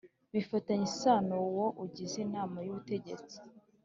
bifitanye isano uwo ugize Inama y Ubutegetsi